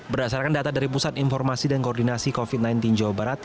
berdasarkan data dari pusat informasi dan koordinasi covid sembilan belas jawa barat